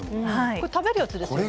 これ食べるやつですよね。